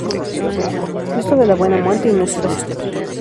Cristo de la Buena Muerte y Ntra.